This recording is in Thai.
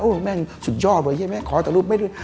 เอ้าแม่งสุดยอดแบบเอ๊ะเยะแม่งขอแต่รูปไม่ได้